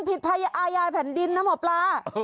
ผิดอายายแผ่นดินนะหมอป้า